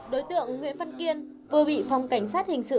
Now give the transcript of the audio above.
đối tượng nguyễn văn kiên vừa bị phòng cảnh sát hình sự